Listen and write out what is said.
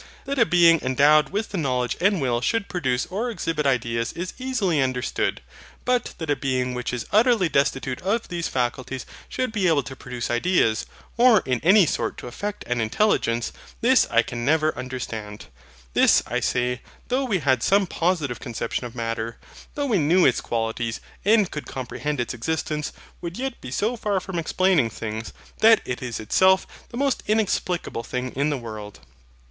That a Being endowed with knowledge and will should produce or exhibit ideas is easily understood. But that a Being which is utterly destitute of these faculties should be able to produce ideas, or in any sort to affect an intelligence, this I can never understand. This I say, though we had some positive conception of Matter, though we knew its qualities, and could comprehend its existence, would yet be so far from explaining things, that it is itself the most inexplicable thing in the world.